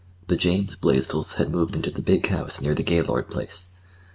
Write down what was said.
The James Blaisdells had moved into the big house near the Gaylord place.